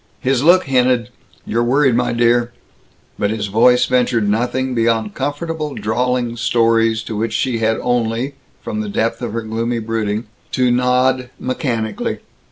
His look hinted, "You're worried, my dear," but his voice ventured nothing beyond comfortable drawling stories to which she had only, from the depth of her gloomy brooding, to nod mechanically.